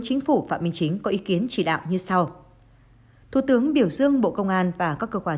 chính phủ phạm minh chính có ý kiến chỉ đạo như sau thủ tướng biểu dương bộ công an và các cơ quan